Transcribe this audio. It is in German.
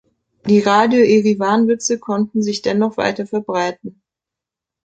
Die Radio-Eriwan-Witze konnten sich dennoch weiterverbreiten.